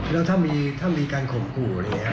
แล้วถ้ามีการข่มขู่อะไรอย่างนี้